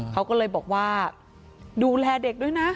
เขาก็เลยบอกว่าดูแลเด็กด้วยนะ